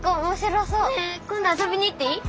ねえ今度遊びに行っていい？